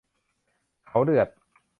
เขาเดือด